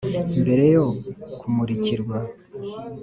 mbere yo kumurikirwa,